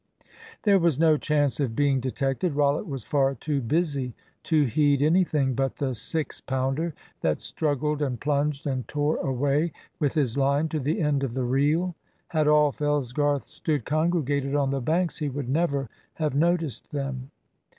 There was no chance of being detected. Rollitt was far too busy to heed anything but the six pounder that struggled and plunged and tore away with his line to the end of the reel. Had all Fellsgarth stood congregated on the banks, he would never have noticed them.